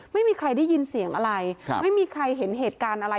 ไม่มีใครได้ยินเสียงอะไรไม่มีใครเห็นเหตุการณ์อะไร